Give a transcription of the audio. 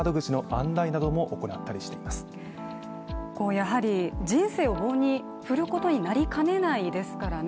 やはり人生を棒に振ることになりかねないですからね。